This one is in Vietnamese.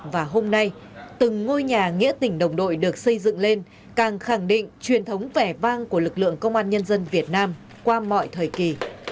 và hôm nay từng ngôi nhà nghĩa tình đồng đội được xây dựng lên càng khẳng định truyền thống vẻ vang của lực lượng công an nhân dân việt nam qua mọi thời kỳ